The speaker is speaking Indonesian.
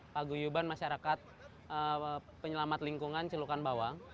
paguyuban masyarakat penyelamat lingkungan celukan bawang